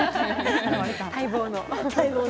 待望の。